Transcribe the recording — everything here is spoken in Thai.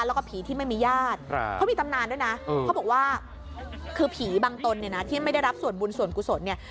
แล้วก็ผีที่ไม่มีญาติเขามีตำนานด้วยนะเขาบอกว่าคือผีบางตนเนี่ยนะที่ไม่ได้รับส่วนบุญส่วนกุศลเนี่ย